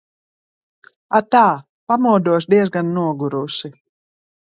Atā! Pamodos diezgan nogurusi.